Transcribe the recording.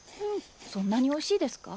そんなにおいしいですか？